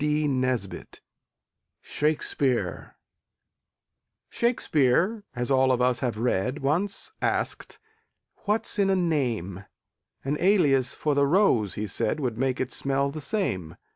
SHAKSPEARE Shakspeare, as all of us have read, Once asked: "What's in a name?" An alias for the rose, he said, Would make it smell the same.